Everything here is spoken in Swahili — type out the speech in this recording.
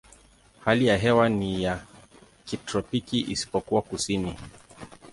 Hali ya hewa ni ya kitropiki isipokuwa kusini.